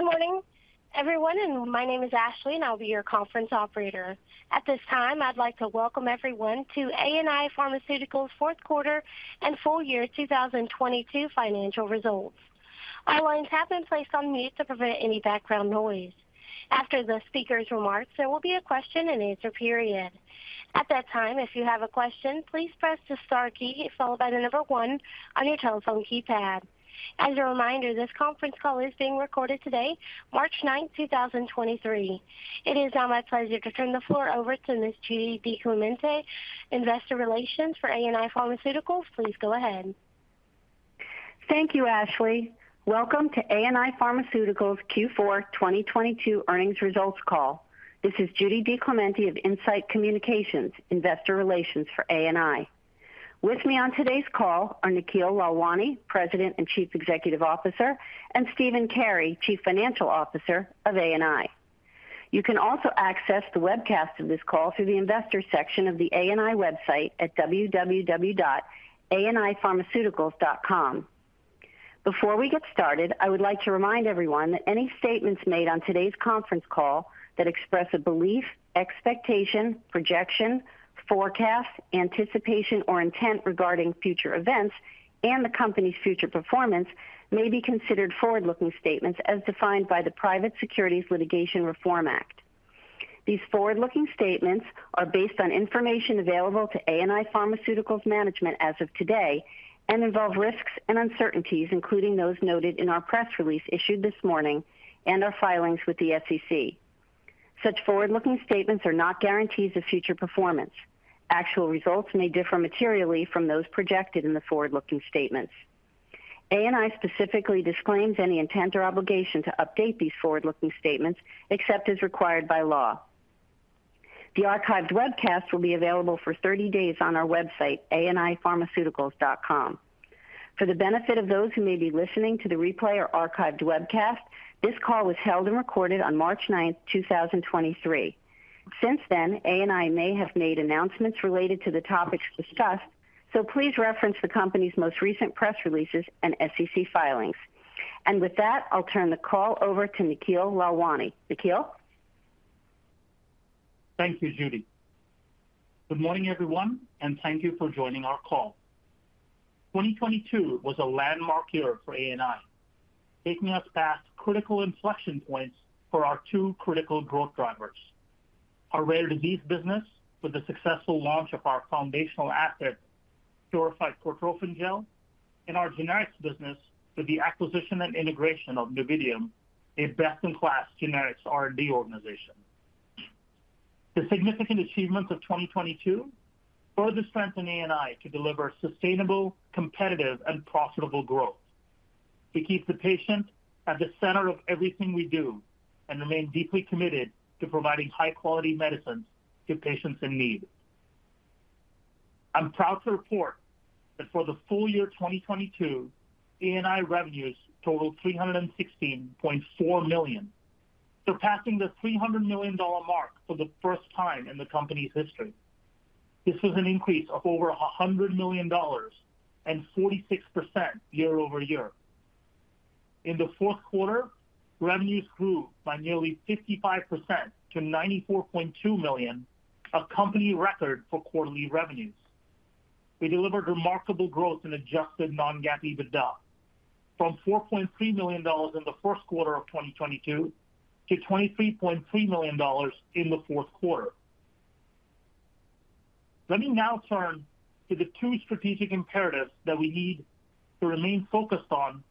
Good morning, everyone. My name is Ashley, and I'll be your conference operator. At this time, I'd like to welcome everyone to ANI Pharmaceuticals' fourth quarter and full year 2022 financial results. All lines have been placed on mute to prevent any background noise. After the speaker's remarks, there will be a question-and-answer period. At that time, if you have a question, please press the star key followed by the one on your telephone keypad. As a reminder, this conference call is being recorded today, March ninth, 2023. It is now my pleasure to turn the floor over to Ms. Judy DiClemente, Investor Relations for ANI Pharmaceuticals. Please go ahead. Thank you, Ashley. Welcome to ANI Pharmaceuticals' Q4 2022 earnings results call. This is Judy DiClemente of In-Site Communications, investor relations for ANI. With me on today's call are Nikhil Lalwani, President and Chief Executive Officer, and Stephen Carey, Chief Financial Officer of ANI. You can also access the webcast of this call through the investors section of the ANI website at www.anipharmaceuticals.com. Before we get started, I would like to remind everyone that any statements made on today's conference call that express a belief, expectation, projection, forecast, anticipation, or intent regarding future events and the company's future performance may be considered forward-looking statements as defined by the Private Securities Litigation Reform Act. These forward-looking statements are based on information available to ANI Pharmaceuticals management as of today and involve risks and uncertainties, including those noted in our press release issued this morning and our filings with the SEC. Such forward-looking statements are not guarantees of future performance. Actual results may differ materially from those projected in the forward-looking statements. ANI specifically disclaims any intent or obligation to update these forward-looking statements except as required by law. The archived webcast will be available for 30 days on our website, anipharmaceuticals.com. For the benefit of those who may be listening to the replay or archived webcast, this call was held and recorded on March 9th, 2023. Since then, ANI may have made announcements related to the topics discussed, so please reference the company's most recent press releases and SEC filings. With that, I'll turn the call over to Nikhil Lalwani. Nikhil? Thank you, Judy. Good morning, everyone, and thank you for joining our call. 2022 was a landmark year for ANI, taking us past critical inflection points for our two critical growth drivers. Our rare disease business, with the successful launch of our foundational asset, Purified Cortrophin Gel, and our generics business with the acquisition and integration of Novitium Pharma, a best-in-class generics R&D organization. The significant achievements of 2022 further strengthen ANI to deliver sustainable, competitive, and profitable growth. We keep the patient at the center of everything we do and remain deeply committed to providing high-quality medicines to patients in need. I'm proud to report that for the full year 2022, ANI revenues totaled $316.4 million, surpassing the $300 million mark for the first time in the company's history. This was an increase of over $100 million and 46% year-over-year. In the fourth quarter, revenues grew by nearly 55% to $94.2 million, a company record for quarterly revenues. We delivered remarkable growth in adjusted non-GAAP EBITDA from $4.3 million in the first quarter of 2022 to $23.3 million in the fourth quarter. Let me now turn to the two strategic imperatives that we need to remain focused on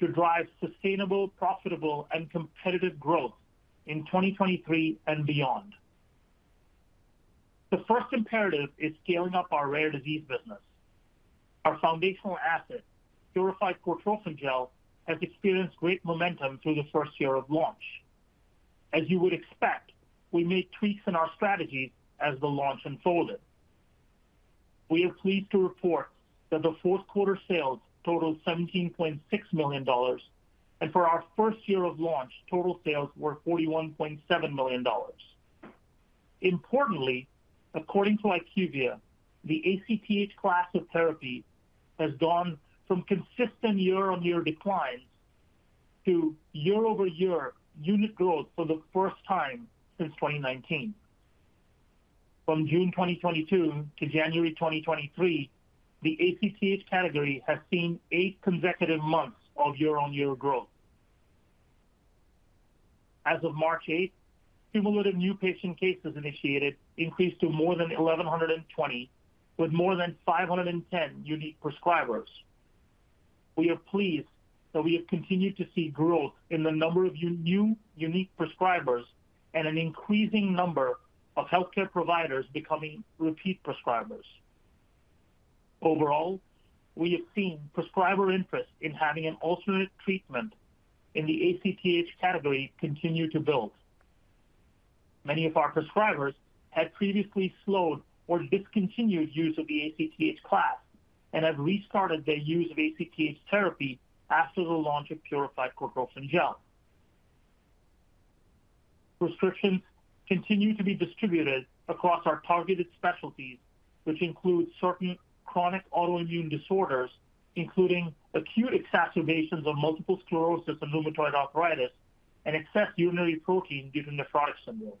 to drive sustainable, profitable, and competitive growth in 2023 and beyond. The first imperative is scaling up our rare disease business. Our foundational asset, Purified Cortrophin Gel, has experienced great momentum through the first year of launch. As you would expect, we made tweaks in our strategy as the launch unfolded. We are pleased to report that the fourth quarter sales totaled $17.6 million, and for our first year of launch, total sales were $41.7 million. Importantly, according to IQVIA, the ACTH class of therapy has gone from consistent year-on-year declines to year-over-year unit growth for the first time since 2019. From June 2022 to January 2023, the ACTH category has seen eight consecutive months of year-on-year growth. As of March eighth, cumulative new patient cases initiated increased to more than 1,120, with more than 510 unique prescribers. We are pleased that we have continued to see growth in the number of new unique prescribers and an increasing number of healthcare providers becoming repeat prescribers. Overall, we have seen prescriber interest in having an alternate treatment in the ACTH category continue to build. Many of our prescribers had previously slowed or discontinued use of the ACTH class and have restarted their use of ACTH therapy after the launch of Purified Cortrophin Gel. Prescriptions continue to be distributed across our targeted specialties, which include certain chronic autoimmune disorders, including acute exacerbations of multiple sclerosis and rheumatoid arthritis and excess urinary protein given nephrotic syndrome.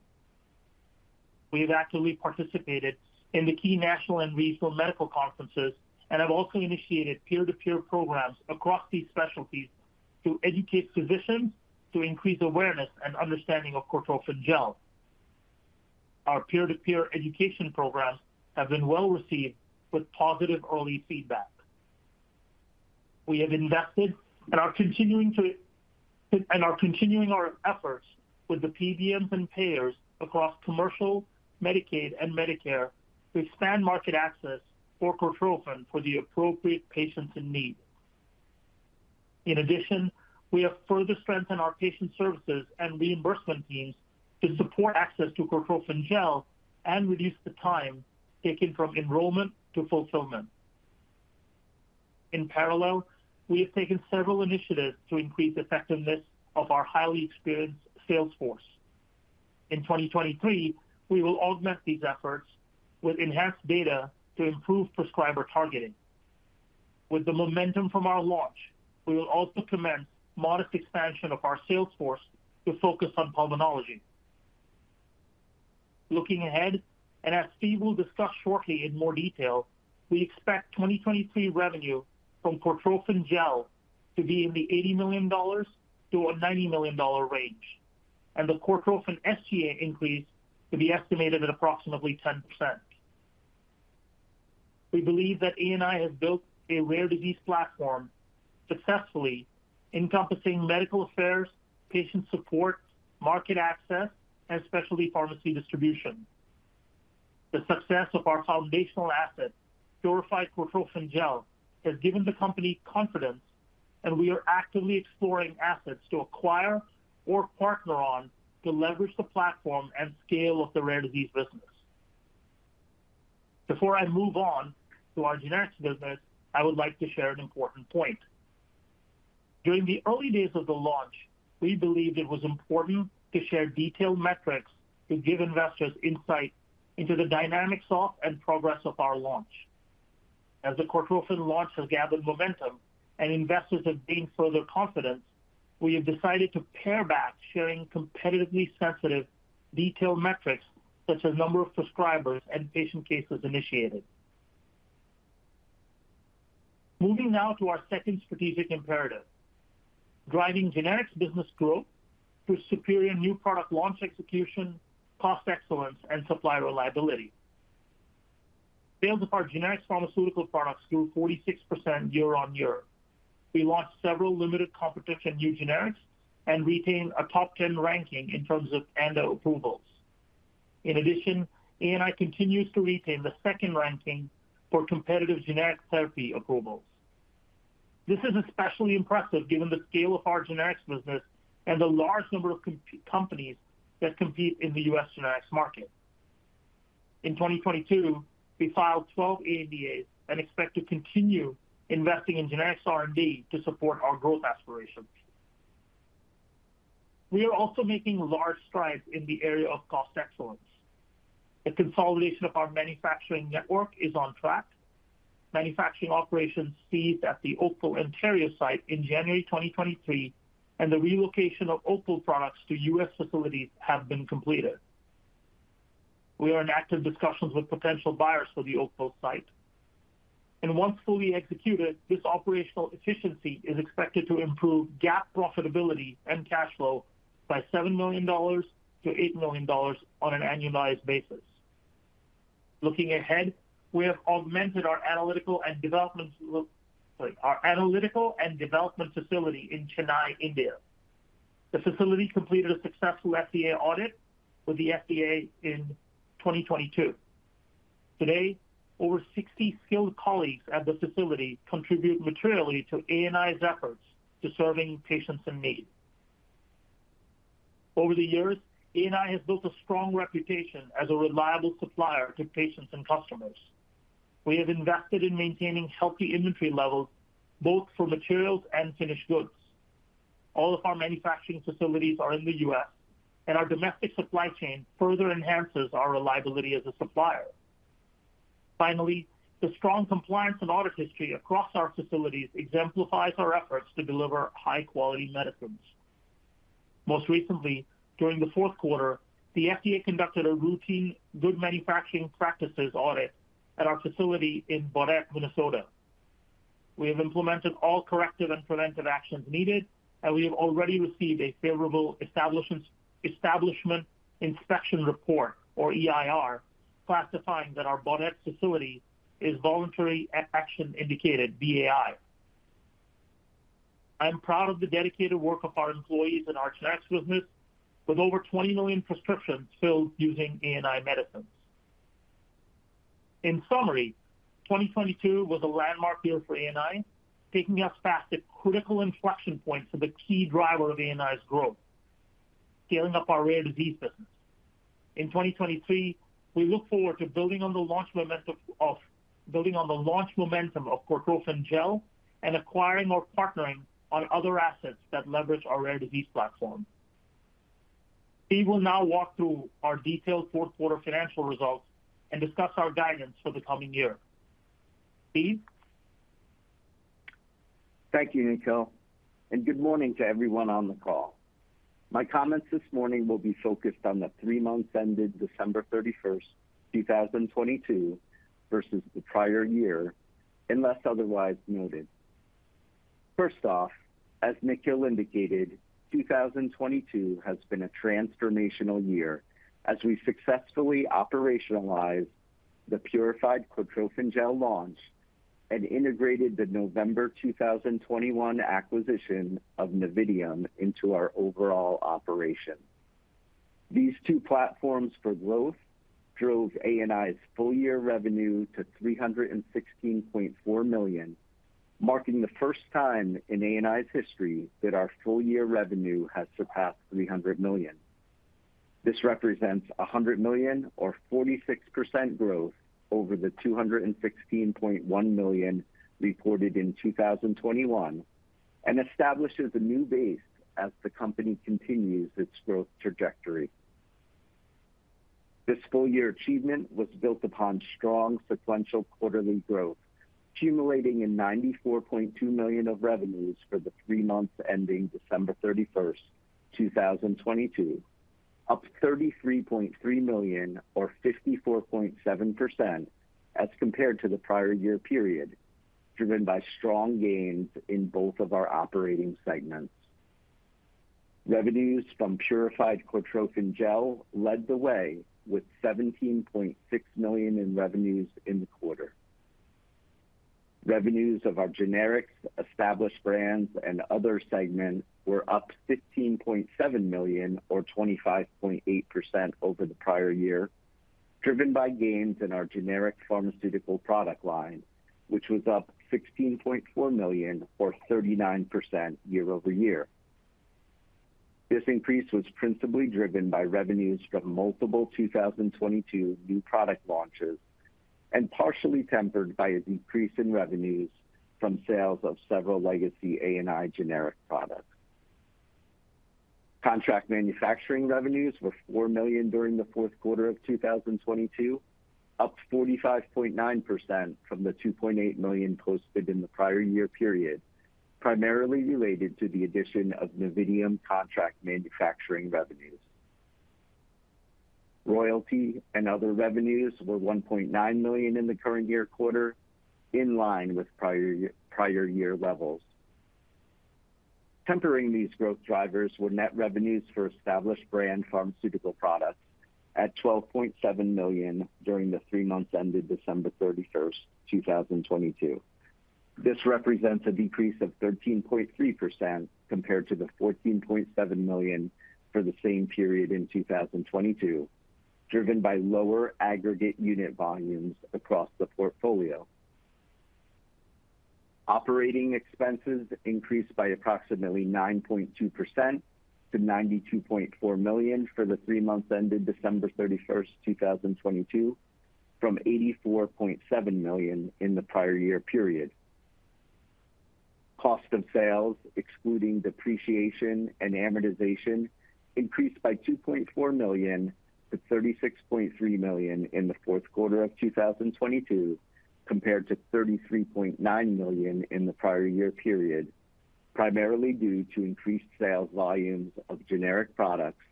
We've actively participated in the key national and regional medical conferences and have also initiated peer-to-peer programs across these specialties to educate physicians to increase awareness and understanding of Cortrophin Gel. Our peer-to-peer education programs have been well received with positive early feedback. We have invested and are continuing our efforts with the PBMs and payers across commercial, Medicaid, and Medicare to expand market access for Cortrophin for the appropriate patients in need. In addition, we have further strengthened our patient services and reimbursement teams to support access to Cortrophin Gel and reduce the time taken from enrollment to fulfillment. In parallel, we have taken several initiatives to increase effectiveness of our highly experienced sales force. In 2023, we will augment these efforts with enhanced data to improve prescriber targeting. With the momentum from our launch, we will also commence modest expansion of our sales force to focus on pulmonology. Looking ahead, and as Steve will discuss shortly in more detail, we expect 2023 revenue from Cortrophin Gel to be in the $80 million-$90 million range, and the Cortrophin SGA increase to be estimated at approximately 10%. We believe that ANI has built a rare disease platform successfully encompassing medical affairs, patient support, market access, and specialty pharmacy distribution. The success of our foundational asset, Purified Cortrophin Gel, has given the company confidence. We are actively exploring assets to acquire or partner on to leverage the platform and scale of the rare disease business. Before I move on to our generics business, I would like to share an important point. During the early days of the launch, we believed it was important to share detailed metrics to give investors insight into the dynamics of and progress of our launch. As the Cortrophin launch has gathered momentum and investors have gained further confidence, we have decided to pare back sharing competitively sensitive detailed metrics such as number of prescribers and patient cases initiated. Moving now to our second strategic imperative, driving generics business growth through superior new product launch execution, cost excellence, and supply reliability. Sales of our generics pharmaceutical products grew 46% year-on-year. We launched several limited competition new generics and retained a top 10 ranking in terms of ANDA approvals. In addition, ANI continues to retain the second ranking for competitive generic therapy approvals. This is especially impressive given the scale of our generics business and the large number of companies that compete in the U.S. generics market. In 2022, we filed 12 ANDAs and expect to continue investing in generics R&D to support our growth aspirations. We are also making large strides in the area of cost excellence. The consolidation of our manufacturing network is on track. Manufacturing operations ceased at the Oakville, Ontario site in January 2023. The relocation of Oakville products to U.S. facilities have been completed. We are in active discussions with potential buyers for the Oakville site. Once fully executed, this operational efficiency is expected to improve GAAP profitability and cash flow by $7 million-$8 million on an annualized basis. Looking ahead, we have augmented our analytical and development facility in Chennai, India. The facility completed a successful FDA audit with the FDA in 2022. Today, over 60 skilled colleagues at the facility contribute materially to ANI's efforts to serving patients in need. Over the years, ANI has built a strong reputation as a reliable supplier to patients and customers. We have invested in maintaining healthy inventory levels, both for materials and finished goods. All of our manufacturing facilities are in the U.S., and our domestic supply chain further enhances our reliability as a supplier. Finally, the strong compliance and audit history across our facilities exemplifies our efforts to deliver high-quality medicines. Most recently, during the fourth quarter, the FDA conducted a routine good manufacturing practices audit at our facility in Baudette, Minnesota. We have implemented all corrective and preventive actions needed, and we have already received a favorable Establishment Inspection Report, or EIR, classifying that our Baudette facility is voluntary action indicated, VAI. I am proud of the dedicated work of our employees in our generics business with over 20 million prescriptions filled using ANI medicines. In summary, 2022 was a landmark year for ANI, taking us past the critical inflection points of a key driver of ANI's growth, scaling up our rare disease business. In 2023, we look forward to building on the launch momentum of Cortrophin Gel and acquiring or partnering on other assets that leverage our rare disease platform. Steve will now walk through our detailed fourth quarter financial results and discuss our guidance for the coming year. Steve? Thank you, Nikhil. Good morning to everyone on the call. My comments this morning will be focused on the three months ended December 31st, 2022, versus the prior year, unless otherwise noted. First off, as Nikhil indicated, 2022 has been a transformational year as we successfully operationalized the Purified Cortrophin Gel launch and integrated the November 2021 acquisition of Novitium into our overall operation. These two platforms for growth drove ANI's full-year revenue to $316.4 million, marking the first time in ANI's history that our full-year revenue has surpassed $300 million. This represents $100 million or 46% growth over the $216.1 million reported in 2021 and establishes a new base as the company continues its growth trajectory. This full-year achievement was built upon strong sequential quarterly growth, accumulating in $94.2 million of revenues for the three months ending December 31, 2022, up $33.3 million or 54.7% as compared to the prior year period, driven by strong gains in both of our operating segments. Revenues from Purified Cortrophin Gel led the way with $17.6 million in revenues in the quarter. Revenues of our generics, established brands, and other segments were up $15.7 million or 25.8% over the prior year, driven by gains in our generic pharmaceutical product line, which was up $16.4 million or 39% year-over-year. This increase was principally driven by revenues from multiple 2022 new product launches and partially tempered by a decrease in revenues from sales of several legacy ANI generic products. Contract manufacturing revenues were $4 million during the fourth quarter of 2022, up 45.9% from the $2.8 million posted in the prior year period, primarily related to the addition of Novitium contract manufacturing revenues. Royalty and other revenues were $1.9 million in the current year quarter, in line with prior year, prior year levels. Tempering these growth drivers were net revenues for established brand pharmaceutical products at $12.7 million during the three months ended December 31, 2022. This represents a decrease of 13.3% compared to the $14.7 million for the same period in 2022, driven by lower aggregate unit volumes across the portfolio. Operating expenses increased by approximately 9.2% to $92.4 million for the three months ended December 31, 2022, from $84.7 million in the prior year period. Cost of sales, excluding depreciation and amortization, increased by $2.4 million to $36.3 million in the fourth quarter of 2022 compared to $33.9 million in the prior year period, primarily due to increased sales volumes of generic products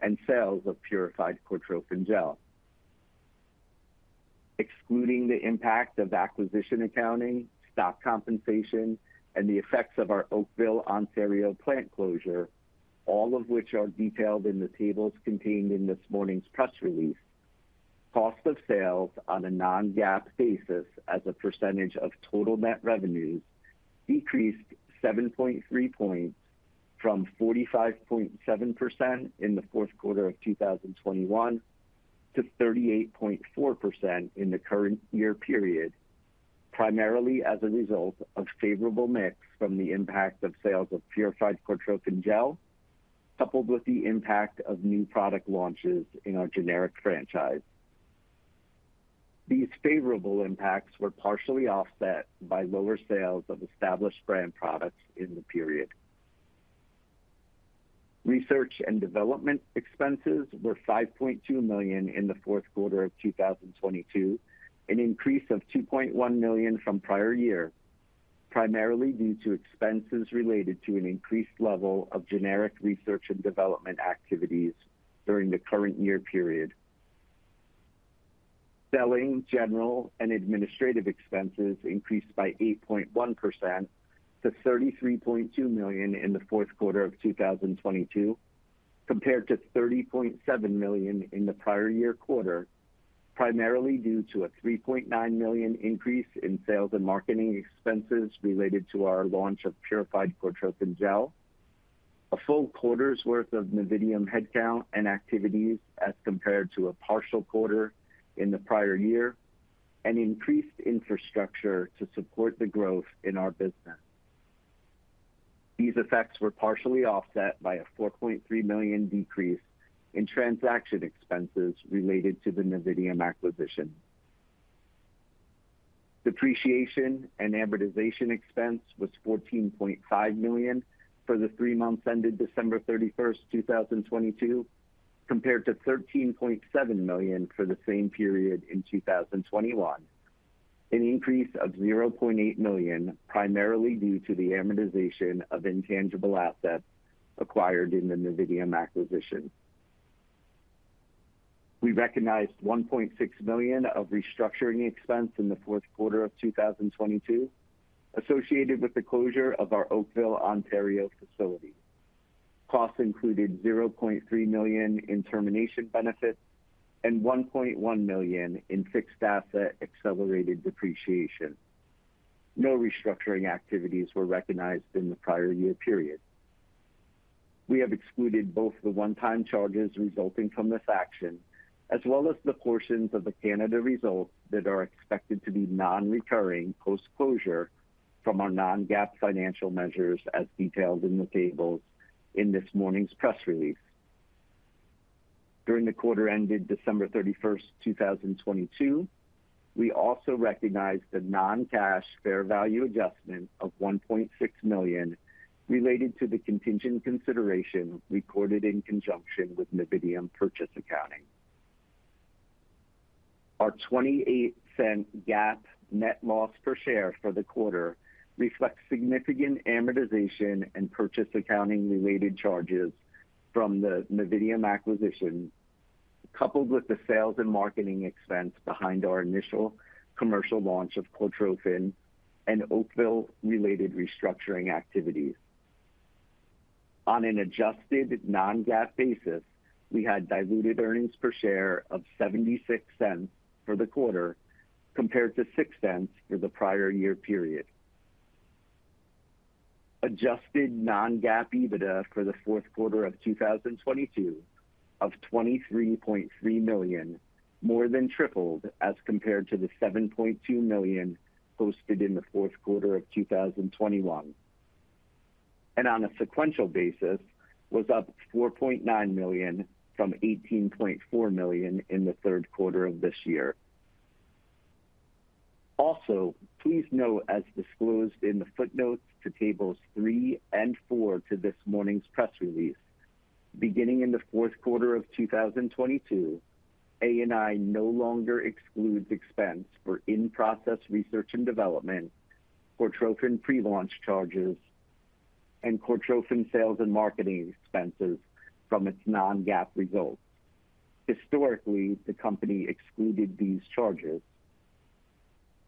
and sales of Purified Cortrophin Gel. Excluding the impact of acquisition accounting, stock compensation, and the effects of our Oakville, Ontario plant closure, all of which are detailed in the tables contained in this morning's press release. Cost of sales on a non-GAAP basis as a percentage of total net revenues decreased 7.3 points from 45.7% in the fourth quarter of 2021 to 38.4% in the current year period, primarily as a result of favorable mix from the impact of sales of Purified Cortrophin Gel, coupled with the impact of new product launches in our generic franchise. These favorable impacts were partially offset by lower sales of established brand products in the period. Research and development expenses were $5.2 million in the fourth quarter of 2022, an increase of $2.1 million from prior year, primarily due to expenses related to an increased level of generic research and development activities during the current year period. Selling, general, and administrative expenses increased by 8.1% to $33.2 million in the fourth quarter of 2022 compared to $30.7 million in the prior year quarter, primarily due to a $3.9 million increase in sales and marketing expenses related to our launch of Purified Cortrophin Gel. A full quarter's worth of Novitium Pharma headcount and activities as compared to a partial quarter in the prior year and increased infrastructure to support the growth in our business. These effects were partially offset by a $4.3 million decrease in transaction expenses related to the Novitium Pharma acquisition. Depreciation and amortization expense was $14.5 million for the three months ended December 31, 2022, compared to $13.7 million for the same period in 2021. An increase of $0.8 million, primarily due to the amortization of intangible assets acquired in the Novitium acquisition. We recognized $1.6 million of restructuring expense in the fourth quarter of 2022 associated with the closure of our Oakville, Ontario facility. Costs included $0.3 million in termination benefits and $1.1 million in fixed asset accelerated depreciation. No restructuring activities were recognized in the prior year period. We have excluded both the one-time charges resulting from this action as well as the portions of the Canada results that are expected to be non-recurring post-closure from our non-GAAP financial measures as detailed in the tables in this morning's press release. During the quarter ended December 31, 2022, we also recognized a non-cash fair value adjustment of $1.6 million related to the contingent consideration recorded in conjunction with Novitium purchase accounting. Our $0.28 GAAP net loss per share for the quarter reflects significant amortization and purchase accounting-related charges from the Novitium acquisition, coupled with the sales and marketing expense behind our initial commercial launch of Cortrophin and Oakville-related restructuring activities. On an adjusted non-GAAP basis, we had diluted earnings per share of $0.76 for the quarter compared to $0.06 for the prior year period. Adjusted non-GAAP EBITDA for the fourth quarter of 2022 of $23.3 million more than tripled as compared to the $7.2 million posted in the fourth quarter of 2021. On a sequential basis, was up $4.9 million from $18.4 million in the third quarter of this year. Please note, as disclosed in the footnotes to tables three and four to this morning's press release, beginning in the fourth quarter of 2022, ANI no longer excludes expense for in-process research and development, Cortrophin pre-launch charges, and Cortrophin sales and marketing expenses from its non-GAAP results. Historically, the company excluded these charges.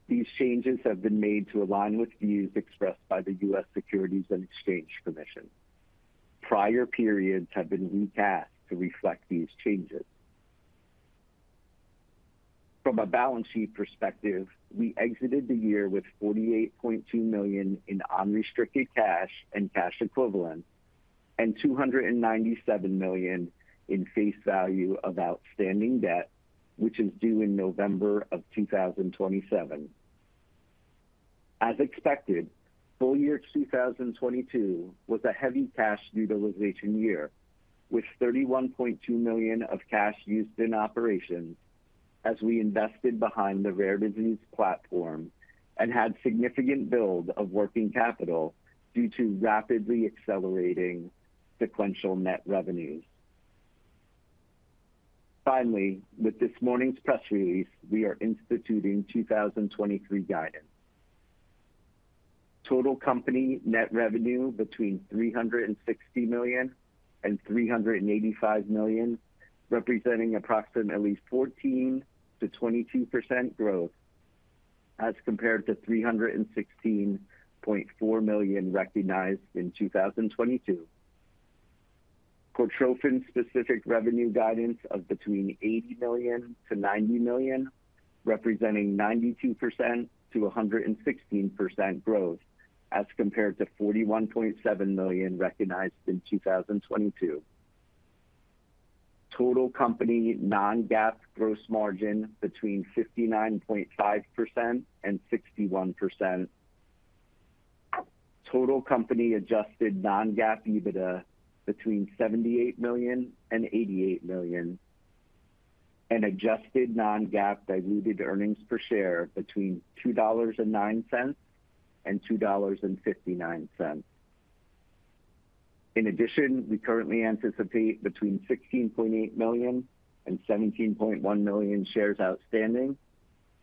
These changes have been made to align with views expressed by the U.S. Securities and Exchange Commission. Prior periods have been recast to reflect these changes. From a balance sheet perspective, we exited the year with $48.2 million in unrestricted cash and cash equivalents and $297 million in face value of outstanding debt, which is due in November of 2027. As expected, full year 2022 was a heavy cash utilization year, with $31.2 million of cash used in operations as we invested behind the rare disease platform and had significant build of working capital due to rapidly accelerating sequential net revenues. Finally, with this morning's press release, we are instituting 2023 guidance. Total company net revenue between $360 million and $385 million, representing approximately 14%-22% growth as compared to $316.4 million recognized in 2022. Cortrophin specific revenue guidance of between $80 million-$90 million, representing 92%-116% growth as compared to $41.7 million recognized in 2022. Total company non-GAAP gross margin between 59.5% and 61%. Total company adjusted non-GAAP EBITDA between $78 million and $88 million, and adjusted non-GAAP diluted earnings per share between $2.09 and $2.59. In addition, we currently anticipate between 16.8 million and 17.1 million shares outstanding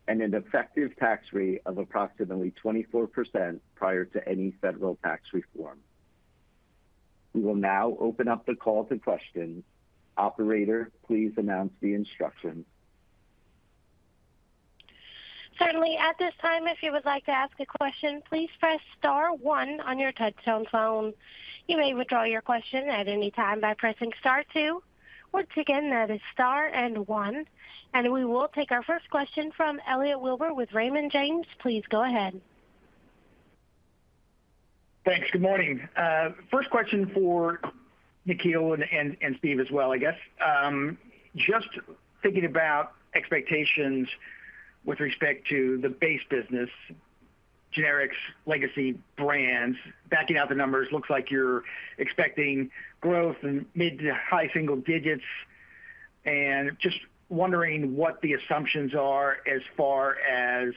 and an effective tax rate of approximately 24% prior to any federal tax reform. We will now open up the call to questions. Operator, please announce the instructions. Certainly. At this time, if you would like to ask a question, please press star one on your touchtone phone. You may withdraw your question at any time by pressing star two. Once again, that is star and one. We will take our first question from Elliot Wilbur with Raymond James. Please go ahead. Thanks. Good morning. First question for Nikhil and, and Steve as well, I guess. Just thinking about expectations with respect to the base business, generics, legacy brands, backing out the numbers, looks like you're expecting growth in mid to high single digits. And just wondering what the assumptions are as far as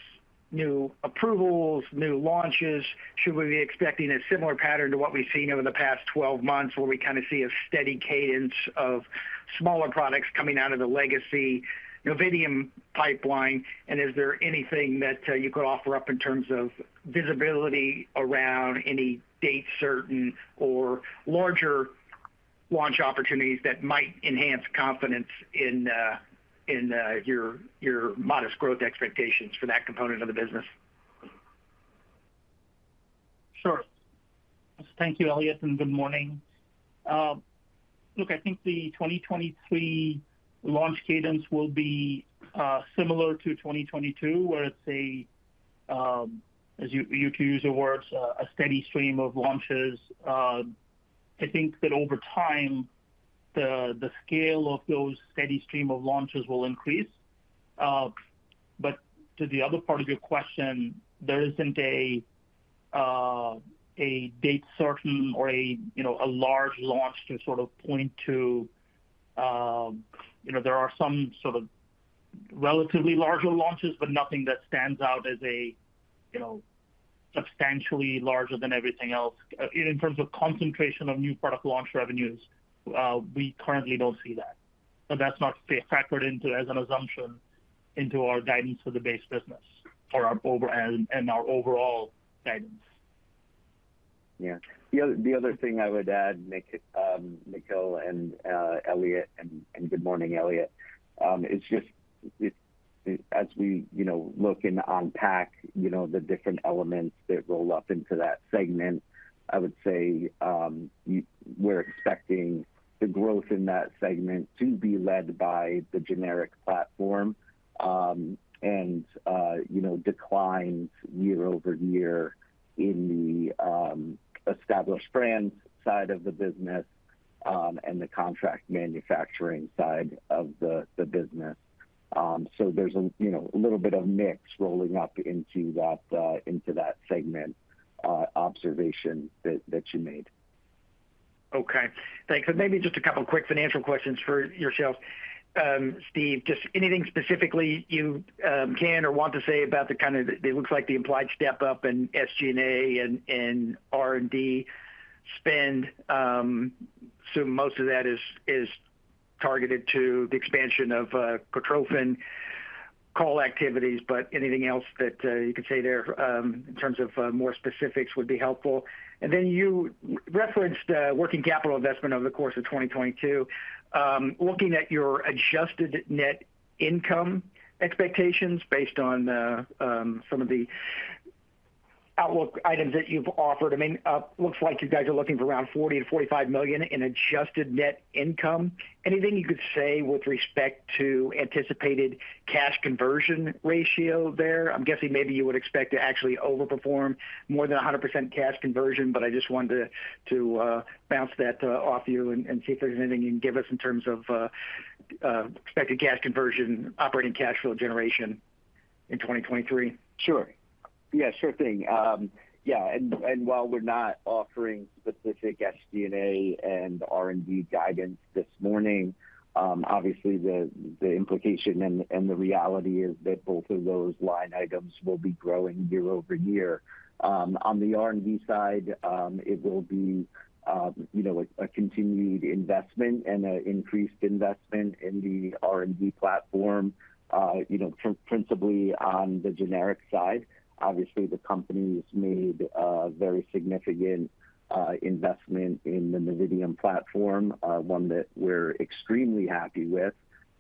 new approvals, new launches. Should we be expecting a similar pattern to what we've seen over the past 12 months where we kind of see a steady cadence of smaller products coming out of the legacy Novitium pipeline? And is there anything that you could offer up in terms of visibility around any date certain or larger launch opportunities that might enhance confidence in your modest growth expectations for that component of the business? Sure. Thank you, Elliot. Good morning. Look, I think the 2023 launch cadence will be similar to 2022, where it's a steady stream of launches. I think that over time the scale of those steady stream of launches will increase. To the other part of your question, there isn't a date certain or a, you know, a large launch to sort of point to. You know, there are some sort of relatively larger launches, but nothing that stands out as a, you know, substantially larger than everything else. In terms of concentration of new product launch revenues, we currently don't see that. That's not factored into as an assumption into our guidance for the base business or our overall guidance. Yeah. The other, the other thing I would add, Nik, Nikhil and Elliot, and good morning, Elliot, is just as we, you know, look and unpack, you know, the different elements that roll up into that segment, I would say, we're expecting the growth in that segment to be led by the generic platform, and, you know, declines year-over-year in the established brands side of the business, and the contract manufacturing side of the business. There's a, you know, a little bit of mix rolling up into that segment, observation that you made. Okay. Thanks. Maybe just a couple quick financial questions for yourselves. Steve, just anything specifically you can or want to say about the implied step-up in SG&A and R&D spend. Assume most of that is targeted to the expansion of Cortrophin call activities, but anything else that you could say there in terms of more specifics would be helpful. You referenced working capital investment over the course of 2022. Looking at your adjusted net income expectations based on some of the outlook items that you've offered, I mean, looks like you guys are looking for around $40 million-$45 million in adjusted net income. Anything you could say with respect to anticipated cash conversion ratio there? I'm guessing maybe you would expect to actually overperform more than 100% cash conversion, but I just wanted to bounce that off you and see if there's anything you can give us in terms of expected cash conversion, operating cash flow generation in 2023. Sure. Sure thing. While we're not offering specific SG&A and R&D guidance this morning, obviously the implication and the reality is that both of those line items will be growing year-over-year. On the R&D side, it will be a continued investment and an increased investment in the R&D platform, principally on the generic side. Obviously, the company's made a very significant investment in the Novitium platform, one that we're extremely happy with.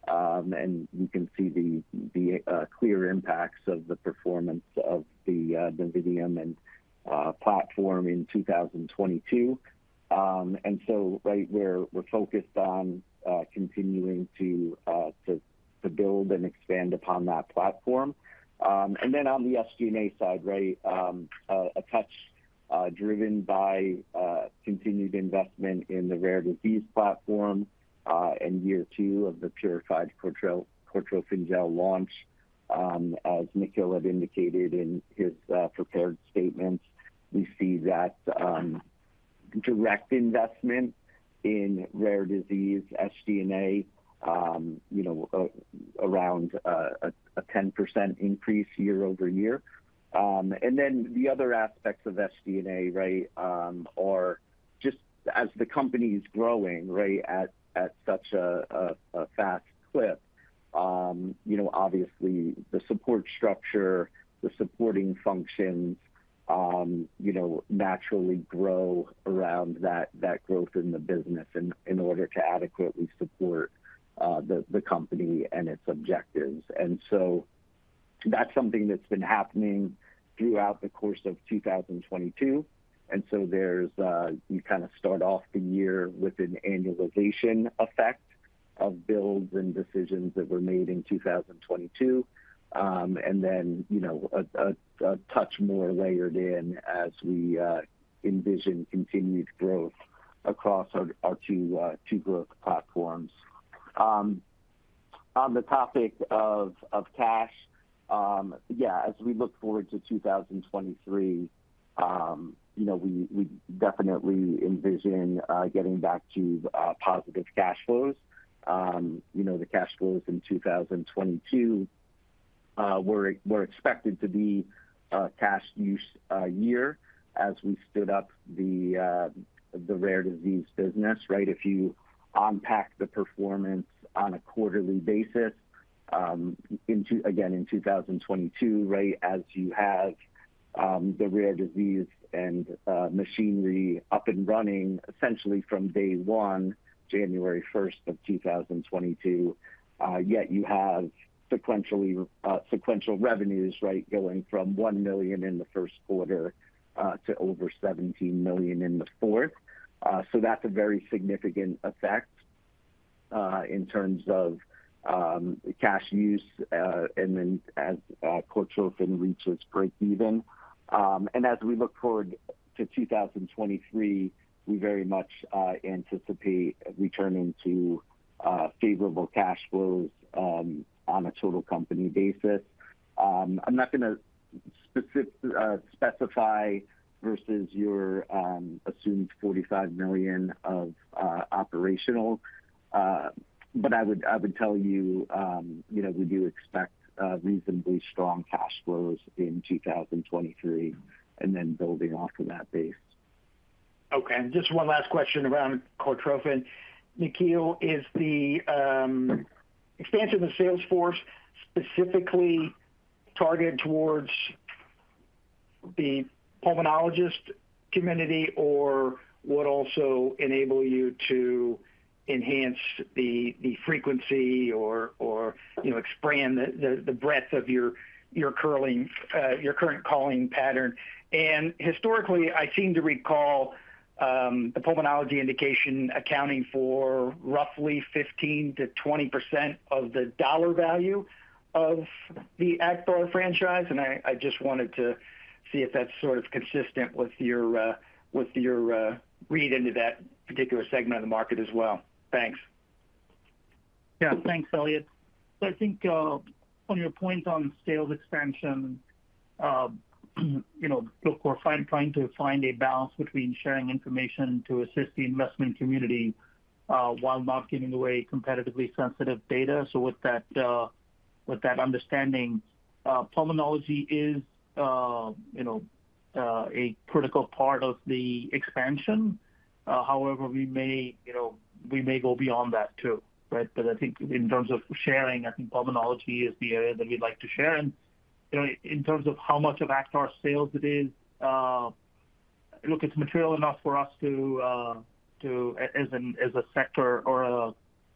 You can see the clear impacts of the performance of the Novitium and platform in 2022. Right there we're focused on continuing to build and expand upon that platform. On the SG&A side, right, a touch driven by continued investment in the rare disease platform and year two of the Purified Cortrophin Gel launch. As Nikhil had indicated in his prepared statements, we see that direct investment in rare disease, SG&A, around a 10% increase year-over-year. The other aspects of SG&A, right, are just as the company's growing, right, at such a fast clip, obviously the support structure, the supporting functions, naturally grow around that growth in the business in order to adequately support the company and its objectives. That's something that's been happening throughout the course of 2022, and so there's, you kinda start off the year with an annualization effect of builds and decisions that were made in 2022. Then, you know, a touch more layered in as we envision continued growth across our two growth platforms. On the topic of cash, yeah, as we look forward to 2023, you know, we definitely envision getting back to positive cash flows. You know, the cash flows in 2022 were expected to be cash use year as we stood up the rare disease business, right? If you unpack the performance on a quarterly basis, again, in 2022, right, as you have the rare disease and machinery up and running essentially from day one, January 1st of 2022. Yet you have sequentially, sequential revenues, right, going from $1 million in the first quarter to over $17 million in the fourth. So that's a very significant effect in terms of cash use, and then as Cortrophin reaches breakeven. And as we look forward to 2023, we very much anticipate returning to favorable cash flows on a total company basis. I'm not gonna specify versus your assumed $45 million of operational. I would tell you know, we do expect reasonably strong cash flows in 2023, and then building off of that base. Okay. Just one last question around Cortrophin. Nikhil, is the expansion of the sales force specifically targeted towards the pulmonologist community or would also enable you to enhance the frequency or, you know, expand the breadth of your current calling pattern? Historically, I seem to recall, the pulmonology indication accounting for roughly 15%-20% of the dollar value of the Acthar franchise. I just wanted to see if that's sort of consistent with your, with your, read into that particular segment of the market as well. Thanks. Yeah. Thanks, Elliot. I think on your point on sales expansion, you know, look, we're trying to find a balance between sharing information to assist the investment community, while not giving away competitively sensitive data. With that, with that understanding, pulmonology is, you know, a critical part of the expansion. However, we may, you know, we may go beyond that too, right? I think in terms of sharing, I think pulmonology is the area that we'd like to share. You know, in terms of how much of Acthar sales it is, look, it's material enough for us as a sector or a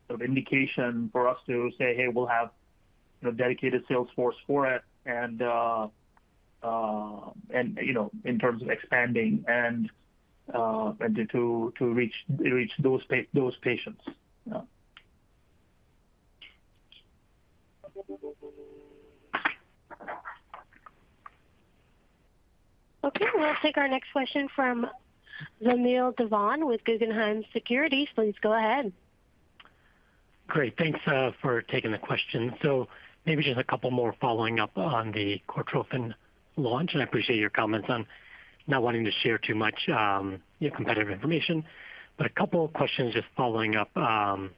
sort of indication for us to say, "Hey, we'll have, you know, dedicated sales force for it," and, you know, in terms of expanding and to reach those patients. Yeah. Okay, we'll take our next question from Vamil Divan with Guggenheim Securities. Please go ahead. Great. Thanks, for taking the question. Maybe just a couple more following up on the Cortrophin launch, and I appreciate your comments on not wanting to share too much, you know, competitive information. A couple of questions just following up, on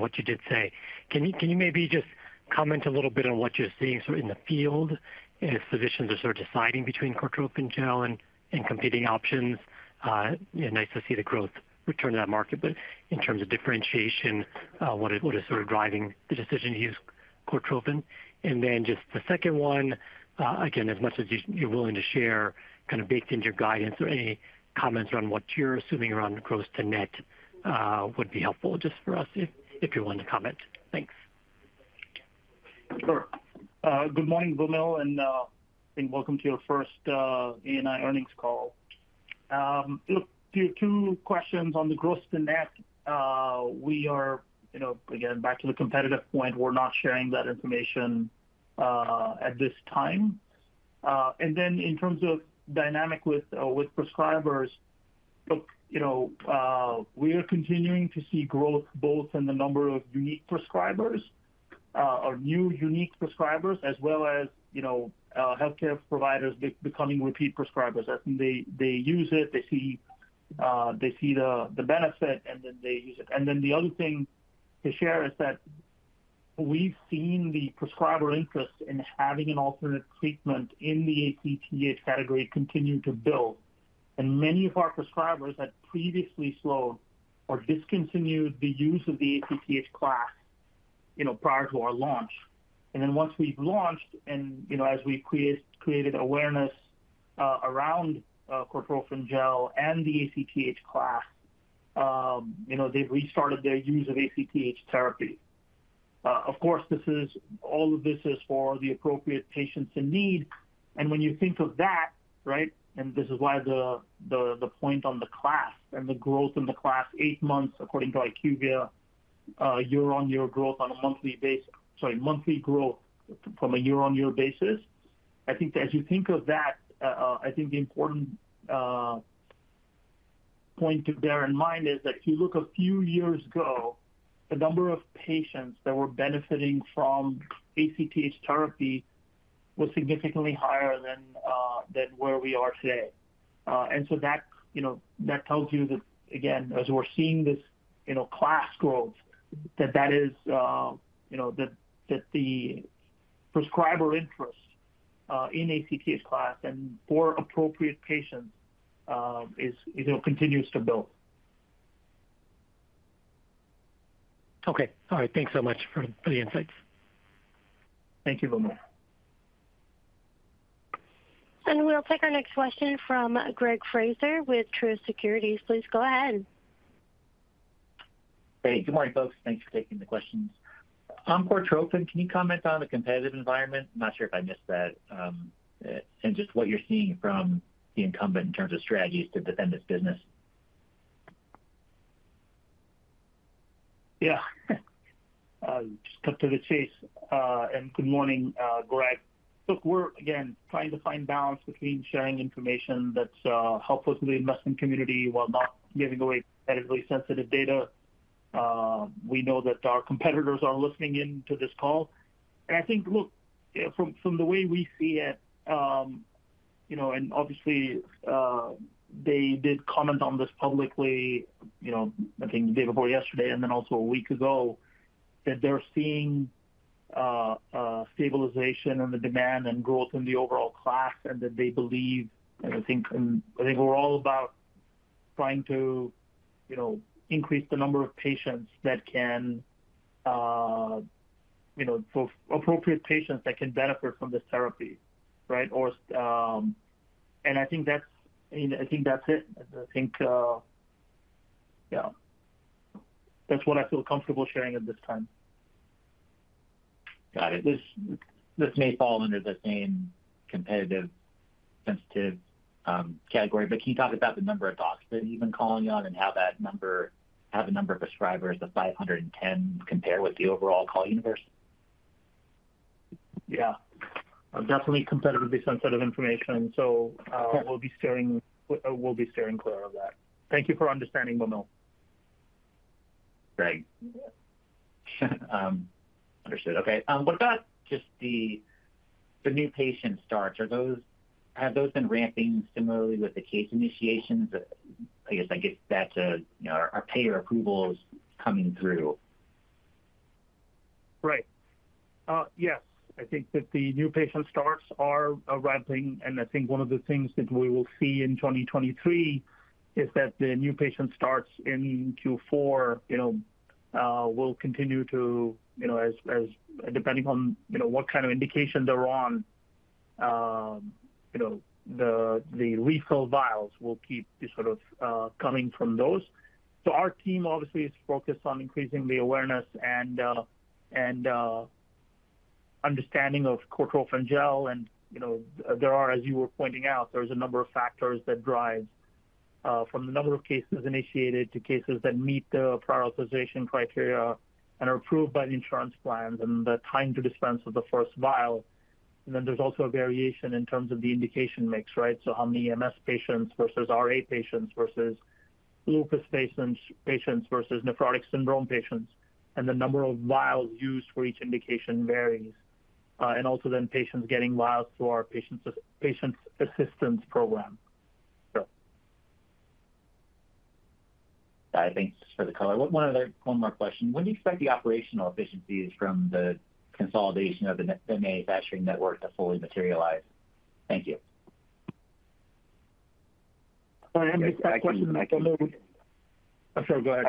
what you did say. Can you maybe just comment a little bit on what you're seeing sort of in the field if physicians are sort of deciding between Cortrophin Gel and competing options? Yeah, nice to see the growth return to that market, but in terms of differentiation, what is sort of driving the decision to use Cortrophin? Just the second one, again, as much as you're willing to share, kind of baked into your guidance or any comments around what you're assuming around gross to net, would be helpful just for us if you're willing to comment. Thanks. Sure. Good morning, Vamil, and I think welcome to your first ANI earnings call. Look, your two questions on the gross to net, we are, you know, again, back to the competitive point, we're not sharing that information at this time. In terms of dynamic with prescribers, look, you know, we are continuing to see growth both in the number of unique prescribers, or new unique prescribers, as well as, you know, healthcare providers becoming repeat prescribers. I think they use it, they see the benefit, and then they use it. The other thing to share is that we've seen the prescriber interest in having an alternate treatment in the ACTH category continue to build. Many of our prescribers had previously slowed or discontinued the use of the ACTH class, you know, prior to our launch. Once we've launched and, you know, as we created awareness around Cortrophin Gel and the ACTH class, you know, they've restarted their use of ACTH therapy. Of course, all of this is for the appropriate patients in need. When you think of that, right? This is why the point on the class and the growth in the class eight months according to IQVIA, year-on-year growth on a monthly basis. Sorry, monthly growth from a year-on-year basis. I think as you think of that, I think the important point to bear in mind is that if you look a few years ago, the number of patients that were benefiting from ACTH therapy was significantly higher than where we are today. That, you know, that tells you that again, as we're seeing this, you know, class growth, that is, you know, that the prescriber interest in ACTH class and for appropriate patients, is, you know, continues to build. Okay. All right. Thanks so much for the insights. Thank you, Vamil. We'll take our next question from Greg Fraser with Truist Securities. Please go ahead. Hey, good morning, folks. Thanks for taking the questions. On Cortrophin, can you comment on the competitive environment? I'm not sure if I missed that, and just what you're seeing from the incumbent in terms of strategies to defend this business. Yeah. just cut to the chase, and good morning, Greg. Look, we're again, trying to find balance between sharing information that's helpful to the investment community while not giving away competitively sensitive data. We know that our competitors are listening in to this call. I think, look, from the way we see it, you know, and obviously, they did comment on this publicly, you know, I think the day before yesterday and then also a week ago. That they're seeing stabilization in the demand and growth in the overall class, and that they believe, and I think we're all about trying to, you know, increase the number of patients that can, you know, for appropriate patients that can benefit from this therapy, right? I mean, I think that's it. I think, yeah. That's what I feel comfortable sharing at this time. Got it. This may fall under the same competitive sensitive category, but can you talk about the number of docs that you've been calling on and how the number of prescribers of 510 compare with the overall call universe? Yeah. Definitely competitively sensitive information, so- Okay. We'll be steering clear of that. Thank you for understanding, Vamil. Great. Understood. Okay. What about just the new patient starts? Have those been ramping similarly with the case initiations? I guess that's, you know, are payer approvals coming through? Right. Yes. I think that the new patient starts are ramping, and I think one of the things that we will see in 2023 is that the new patient starts in Q4, you know, will continue to, you know, as depending on, you know, what kind of indication they're on, you know, the refill vials will keep sort of coming from those. Our team obviously is focused on increasing the awareness and and understanding of Cortrophin Gel. You know, there are as you were pointing out, there's a number of factors that drive from the number of cases initiated to cases that meet the prioritization criteria and are approved by the insurance plans and the time to dispense of the first vial. Then there's also a variation in terms of the indication mix, right? On the MS patients versus RA patients versus lupus patients versus nephrotic syndrome patients, and the number of vials used for each indication varies. Also, then patients getting vials through our patient assistance program. Got it. Thanks for the color. One more question. When do you expect the operational efficiencies from the consolidation of the manufacturing network to fully materialize? Thank you. Just a question. I can. Oh, sorry, go ahead.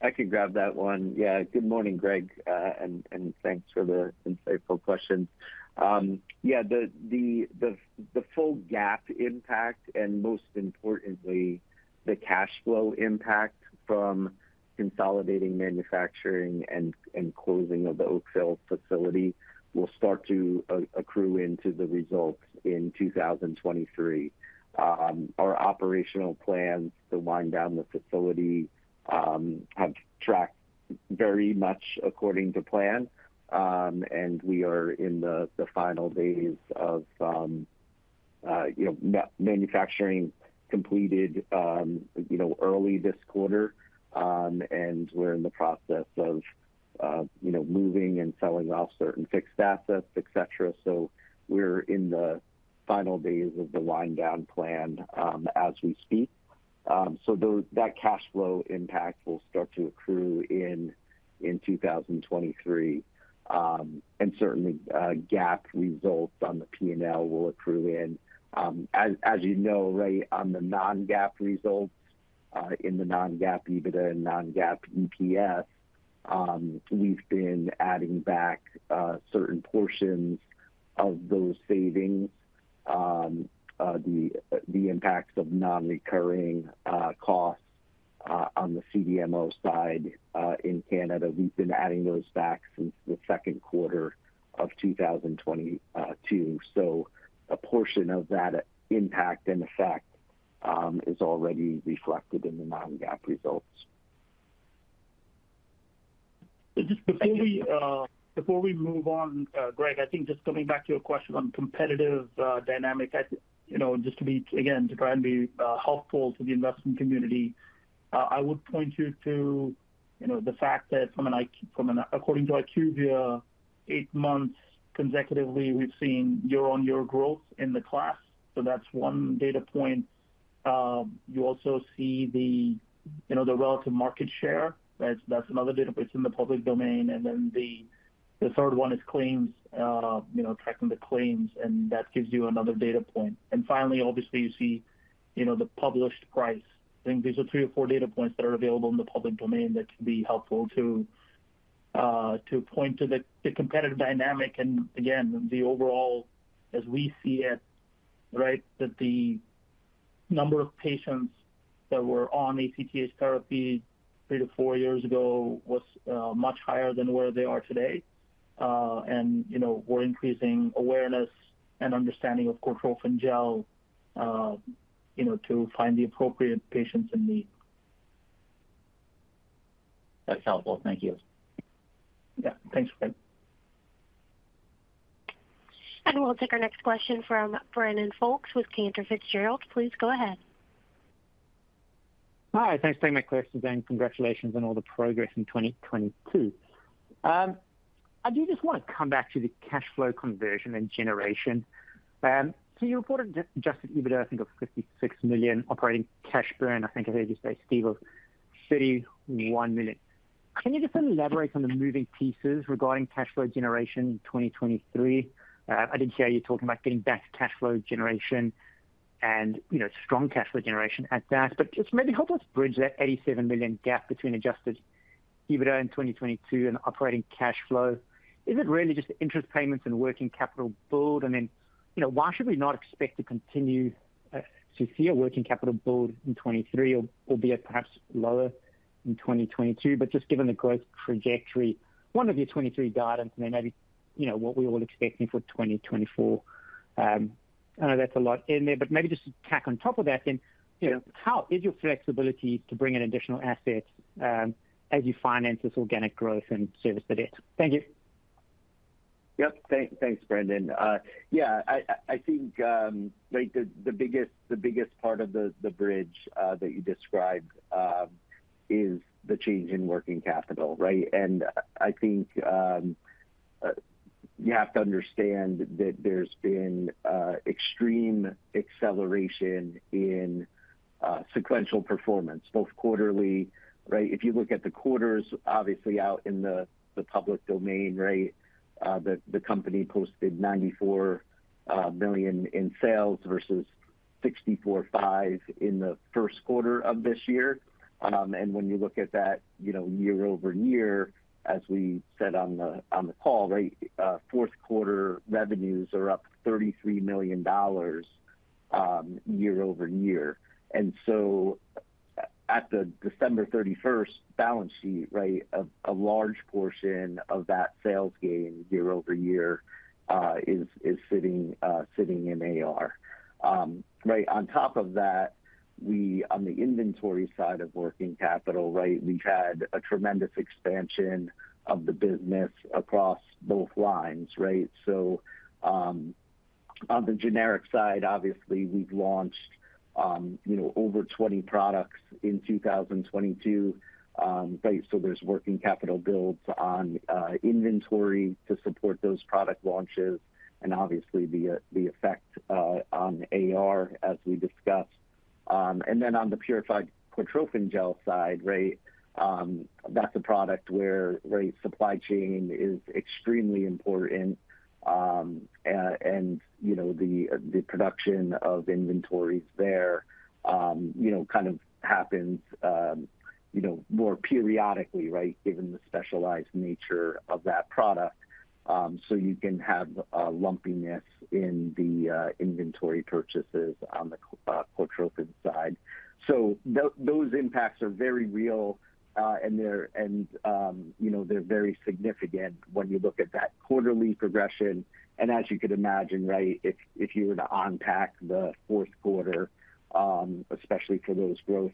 I can grab that one. Yeah. Good morning, Greg, and thanks for the insightful question. Yeah, the full GAAP impact and most importantly, the cash flow impact from consolidating manufacturing and closing of the Oakville facility will start to accrue into the results in 2023. Our operational plans to wind down the facility have tracked very much according to plan. And we are in the final days of, you know, manufacturing completed, you know, early this quarter. And we're in the process of, you know, moving and selling off certain fixed assets, et cetera. We're in the final days of the wind down plan, as we speak. That cash flow impact will start to accrue in 2023. Certainly, GAAP results on the P&L will accrue in. As you know, Ray, on the non-GAAP results, in the non-GAAP EBITDA and non-GAAP EPS, we've been adding back certain portions of those savings, the impacts of non-recurring costs on the CDMO side, in Canada, since the second quarter of 2022. A portion of that impact and effect is already reflected in the non-GAAP results. Just before we, before we move on, Greg, I think just coming back to your question on competitive dynamic, you know, just to be, again, to try and be helpful to the investment community, I would point you to, you know, the fact that according to IQVIA, eight months consecutively, we've seen year-on-year growth in the class. That's one data point. You also see the, you know, the relative market share. That's another data point. It's in the public domain. The third one is claims, you know, tracking the claims, and that gives you another data point. Finally, obviously, you see, you know, the published price. I think these are three or four data points that are available in the public domain that can be helpful to point to the competitive dynamic and again, the overall as we see it, right, that the number of patients that were on ACTH therapy three to four years ago was much higher than where they are today. You know, we're increasing awareness and understanding of Cortrophin Gel, you know, to find the appropriate patients in need. That's helpful. Thank you. Yeah. Thanks, Greg. We'll take our next question from Brandon Folkes with Cantor Fitzgerald. Please go ahead. Hi. Thanks for taking my questions, and congratulations on all the progress in 2022. I do just want to come back to the cash flow conversion and generation. You reported adjusted EBITDA, I think, of $56 million, operating cash burn, I think I heard you say, Steve, of $31 million. Can you just elaborate on the moving pieces regarding cash flow generation in 2023? I did hear you talking about getting back to cash flow generation and, you know, strong cash flow generation at that. Just maybe help us bridge that $87 million gap between adjusted EBITDA in 2022 and operating cash flow. Is it really just interest payments and working capital build? You know, why should we not expect to continue, to see a working capital build in 2023 or, albeit perhaps lower in 2022, but just given the growth trajectory, one of your 2023 guidance and then maybe, you know, what we're all expecting for 2024. I know that's a lot in there, but maybe just to tack on top of that then, you know, how is your flexibility to bring in additional assets, as you finance this organic growth and service the debt? Thank you. Yep. Thanks, Brendan. Yeah, I, I think, like the biggest, the biggest part of the bridge that you described, is the change in working capital, right? I think, you have to understand that there's been extreme acceleration in sequential performance, both quarterly, right? If you look at the quarters, obviously out in the public domain, right, the company posted $94 million in sales versus $64.5 million in the first quarter of this year. When you look at that, you know, year-over-year, as we said on the call, right, fourth quarter revenues are up $33 million, year-over-year. At the December 31st balance sheet, right, a large portion of that sales gain year-over-year is sitting in AR. Right. On top of that, on the inventory side of working capital, right, we've had a tremendous expansion of the business across both lines, right? On the generic side, obviously we've launched, you know, over 20 products in 2022, right? There's working capital builds on inventory to support those product launches and obviously the effect on AR as we discussed. On the Purified Cortrophin Gel side, right, that's a product where supply chain is extremely important, and, you know, the production of inventories there, you know, kind of happens, you know, more periodically, right? Given the specialized nature of that product. So you can have lumpiness in the inventory purchases on the Cortrophin side. Those impacts are very real, and they're, and, you know, they're very significant when you look at that quarterly progression. As you can imagine, right, if you were to unpack the fourth quarter, especially for those growth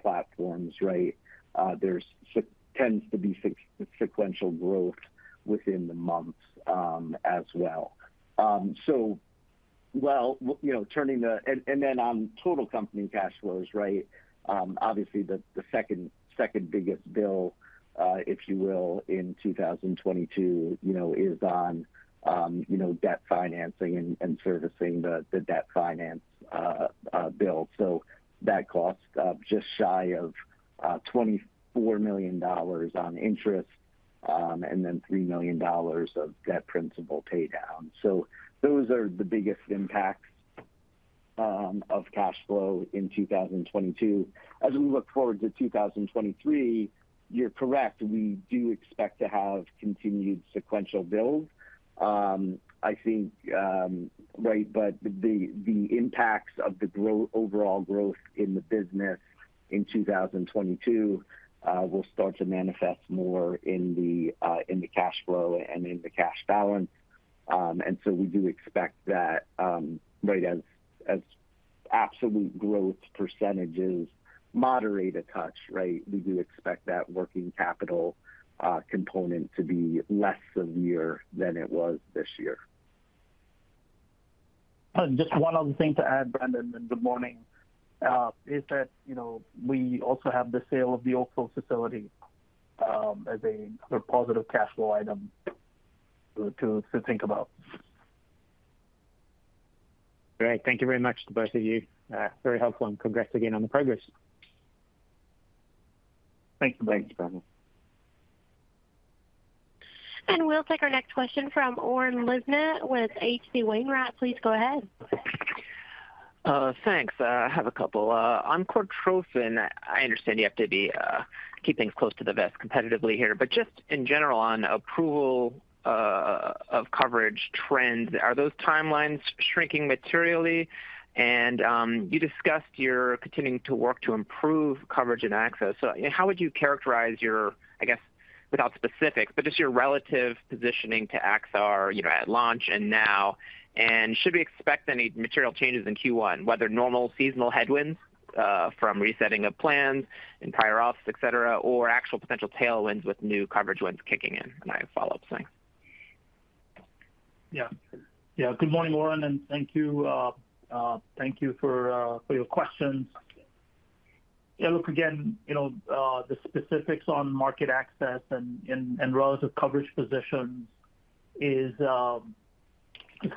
platforms, right, there tends to be sequential growth within the months as well. On total company cash flows, right, obviously the second biggest bill, if you will, in 2022, you know, is on, you know, debt financing and servicing the debt finance bill. That cost just shy of $24 million on interest, and then $3 million of debt principal pay down. Those are the biggest impacts of cash flow in 2022. As we look forward to 2023, you're correct. We do expect to have continued sequential build. I think the impacts of the overall growth in the business in 2022 will start to manifest more in the cash flow and in the cash balance. We do expect that as absolute growth percentages moderate a touch, we do expect that working capital component to be less severe than it was this year. Just one other thing to add, Brandon, and good morning, is that, you know, we also have the sale of the Oakville facility, as a positive cash flow item to think about. Great. Thank you very much to both of you. Very helpful. Congrats again on the progress. Thank you. Thanks, Brandon. We'll take our next question from Oren Livnat with H.C. Wainwright. Please go ahead. Thanks. I have a couple. On Cortrophin, I understand you have to be keep things close to the vest competitively here. Just in general on approval of coverage trends, are those timelines shrinking materially? You discussed you're continuing to work to improve coverage and access. How would you characterize your, I guess, without specifics, but just your relative positioning to Acthar, you know, at launch and now? Should we expect any material changes in Q1, whether normal seasonal headwinds from resetting of plans and prior ops, et cetera, or actual potential tailwinds with new coverage wins kicking in? I have a follow-up, thanks. Yeah. Yeah. Good morning, Oren, and thank you. Thank you for your questions. Yeah, look, again, you know, the specifics on market access and, and relative coverage position is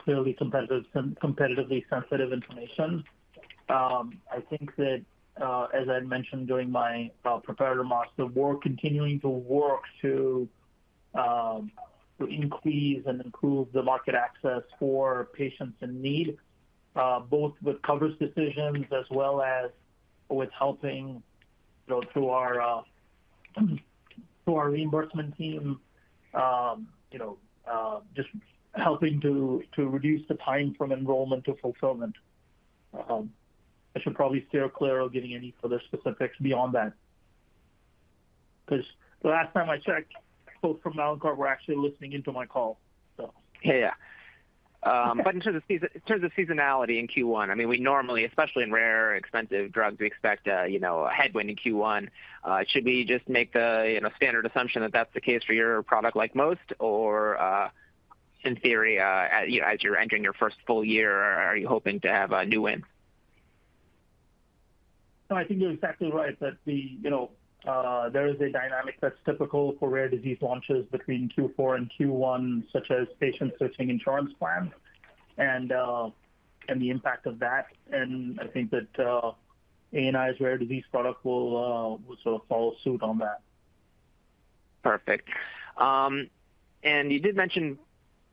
clearly competitive, competitively sensitive information. I think that, as I mentioned during my prepared remarks, that we're continuing to work to increase and improve the market access for patients in need, both with coverage decisions as well as with helping, you know, through our reimbursement team, you know, just helping to reduce the time from enrollment to fulfillment. I should probably steer clear of giving any further specifics beyond that. The last time I checked, folks from Mallinckrodt were actually listening in to my call, so. Yeah. In terms of seasonality in Q1, I mean, we normally, especially in rare expensive drugs, we expect, you know, a headwind in Q1. Should we just make the, you know, standard assumption that that's the case for your product like most? In theory, as you're entering your first full year, are you hoping to have a new win? No, I think you're exactly right that the, you know, there is a dynamic that's typical for rare disease launches between Q4 and Q1, such as patients switching insurance plans and the impact of that. I think that, ANI's rare disease product will sort of follow suit on that. Perfect. You did mention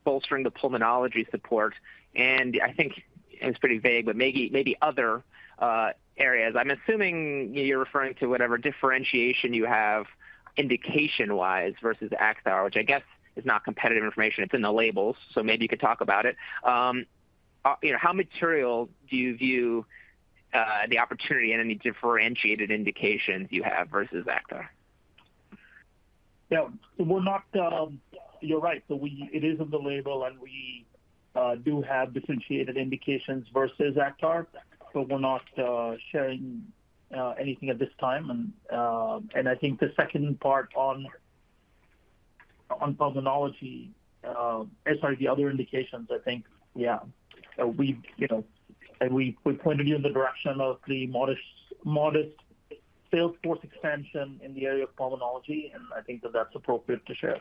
bolstering the pulmonology support, I think it's pretty vague, but maybe other areas. I'm assuming you're referring to whatever differentiation you have indication-wise versus Acthar, which I guess is not competitive information. It's in the labels, so maybe you could talk about it. you know, how material do you view the opportunity and any differentiated indications you have versus Acthar? We're not. You're right. It is in the label, and we do have differentiated indications versus Acthar. We're not sharing anything at this time. I think the second part on pulmonology, sorry, the other indications, I think, you know, we pointed you in the direction of the modest sales force expansion in the area of pulmonology, and I think that that's appropriate to share.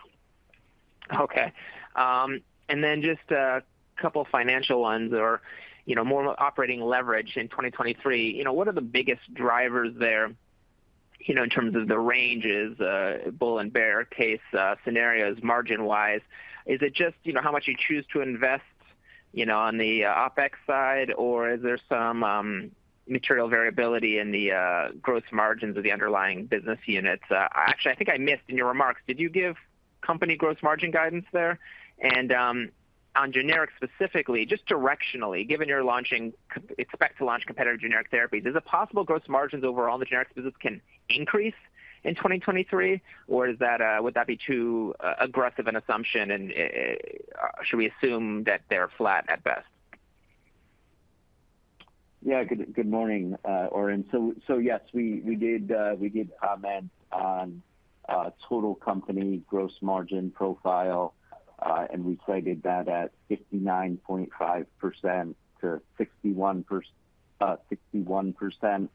What are the biggest drivers there, you know, in terms of the ranges, bull and bear case scenarios margin-wise? Is it just, you know, how much you choose to invest, you know, on the OpEx side? Or is there some material variability in the gross margins of the underlying business units? Actually, I think I missed in your remarks. Did you give company gross margin guidance there? And on generics specifically, just directionally, given you're launching expect to launch competitive generic therapies, is it possible gross margins overall in the generics business can increase in 2023? Or is that would that be too aggressive an assumption? And should we assume that they're flat at best? Yeah. Good morning, Oren. Yes, we did comment on total company gross margin profile, and we cited that at 69.5%-61%,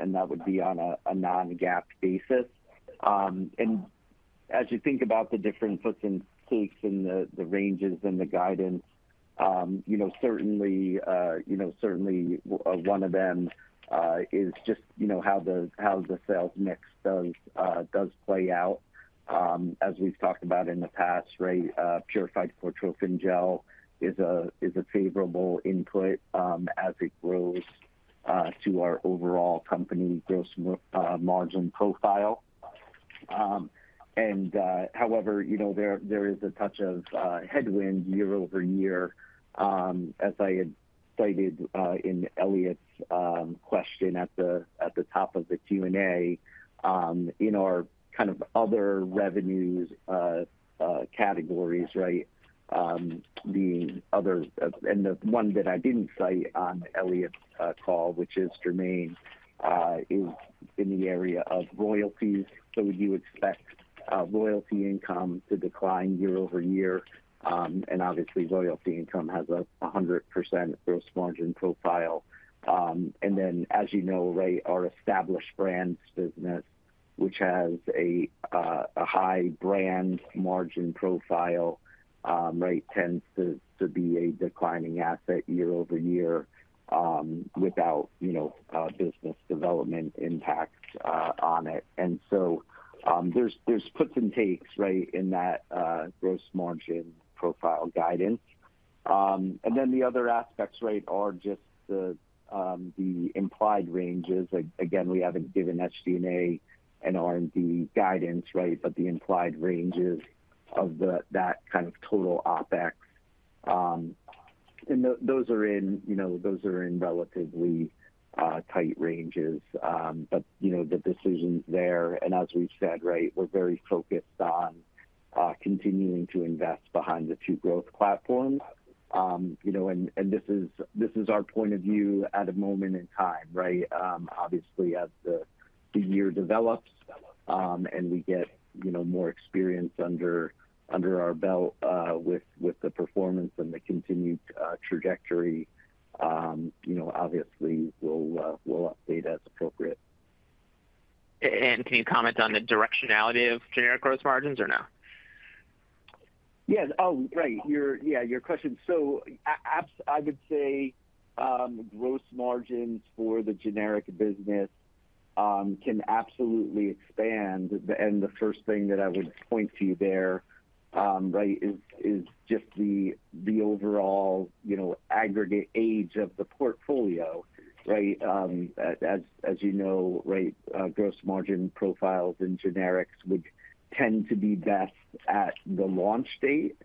and that would be on a non-GAAP basis. As you think about the different puts and takes in the ranges and the guidance, you know, certainly, you know, certainly one of them is just, you know, how the sales mix does play out. As we've talked about in the past, right, Purified Cortrophin Gel is a favorable input as it grows to our overall company gross margin profile. However, you know, there is a touch of headwind year-over-year, as I had cited in Elliot's question at the top of the Q&A, in our kind of other revenues categories, right? And the one that I didn't cite on Elliot's call, which is germane, is in the area of royalties. You expect royalty income to decline year-over-year. And obviously, royalty income has a 100% gross margin profile. And then, as you know, right, our Established Brands business, which has a high brand margin profile, right, tends to be a declining asset year-over-year, without, you know, business development impact on it. There's puts and takes, right, in that gross margin profile guidance. Then the other aspects, right, are just the implied ranges. Again, we haven't given SG&A and R&D guidance, right, but the implied ranges of that kind of total OpEx, and those are in, you know, those are in relatively tight ranges. But, you know, the decision's there, and as we've said, right, we're very focused on continuing to invest behind the two growth platforms. You know, and this is our point of view at a moment in time, right? Obviously, as the year develops, and we get, you know, more experience under our belt with the performance and the continued trajectory, you know, obviously we'll update as appropriate. Can you comment on the directionality of generic gross margins or no? Yes. Oh, right. Yeah, your question. I would say, gross margins for the generic business can absolutely expand. The first thing that I would point to you there, right, is just the overall, you know, aggregate age of the portfolio, right? As you know, right, gross margin profiles in generics would tend to be best at the launch date.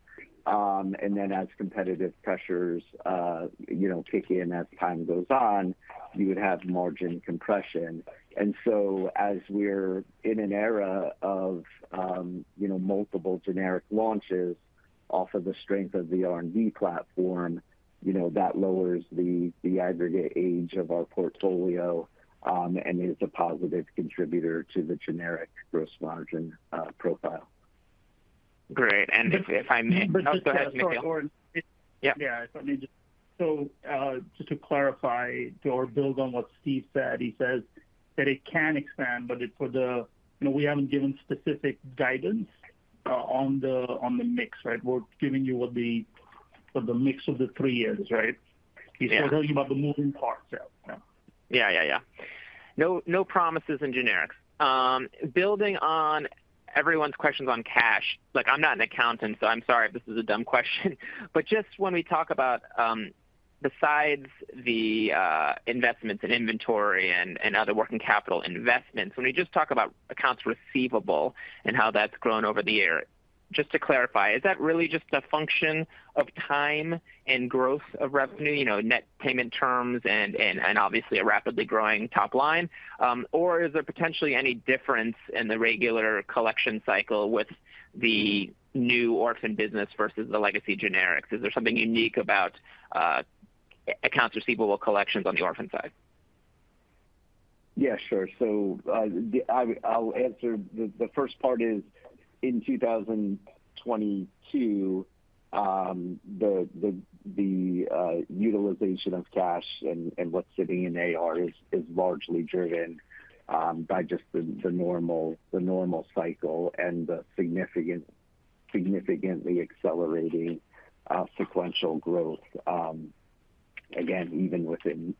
As competitive pressures, you know, kick in as time goes on, you would have margin compression. As we're in an era of, you know, multiple generic launches off of the strength of the R&D platform, you know, that lowers the aggregate age of our portfolio and is a positive contributor to the generic gross margin profile. Great. If I may- Oh, go ahead, Nikhil. Sorry. Go on. Yeah. Yeah. Just to clarify or build on what Steve said, he says that it can expand, but you know, we haven't given specific guidance on the mix, right? We're giving you what the mix of the three is, right? Yeah. He's still telling you about the moving parts, yeah. Yeah. Yeah. Yeah. No, no promises in generics. Building on everyone's questions on cash, like I'm not an accountant, so I'm sorry if this is a dumb question. Just when we talk about, besides the investments in inventory and other working capital investments, when we just talk about accounts receivable and how that's grown over the year, just to clarify, is that really just a function of time and growth of revenue, you know, net payment terms and obviously a rapidly growing top line? Or is there potentially any difference in the regular collection cycle with the new orphan business versus the legacy generics? Is there something unique about accounts receivable collections on the orphan side? Yeah, sure. I'll answer the first part is in 2022, the utilization of cash and what's sitting in AR is largely driven by just the normal cycle and significantly accelerating sequential growth, again, even